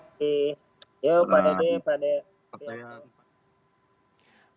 terima kasih yuk pak dede